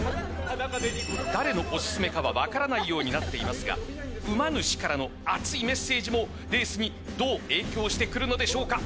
誰のオススメかは分からないようになっていますがうま主からの熱いメッセージもレースにどう影響してくるのでしょうか。